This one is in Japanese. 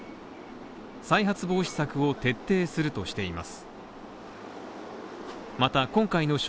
再発防止策を徹底するとしています。